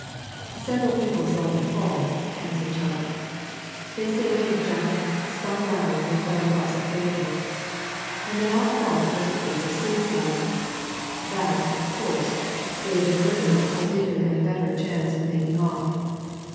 "Several people saw him fall," answered Chettle. "They say he jumped, spun round, and fell across the pavement. And they all thought it was a case of suicide. That, of course, gave the murderer a bigger and better chance of making off.